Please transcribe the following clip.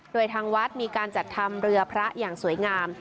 โดยทางวัดมีการจัดทำเรือพระอย่างสวยงาม